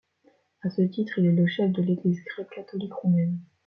À ce titre, il est le chef de l'Église grecque-catholique roumaine.